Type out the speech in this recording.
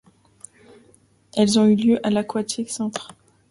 Elles ont eu lieu à l'Aquatics Centre.